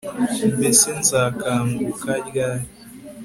mbese nzakanguka ryari